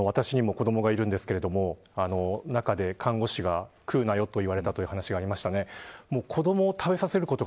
私にも子どもがいるんですけど中で、看護師が食うなよと言われたという話がありました。